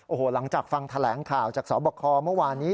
โอ้โหหลังจากฟังแถลงข่าวจากสบคเมื่อวานนี้